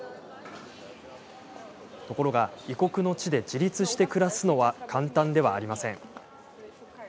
ところが、異国の地で自立して暮らすのは簡単ではありません。